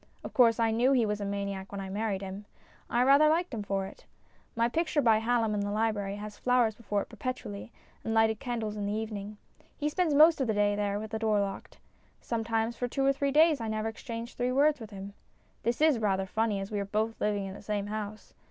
Of course I knew he was a maniac when I married him ; I rather liked him for it. My picture by Hallom in the library has flowers before it perpetually, and lighted candles in the evening. He spends most of the day there with the door locked. Sometimes for two or three days I never exchange three words MINIATURES 239 with him. This is rather funny, as we are both living in the same house.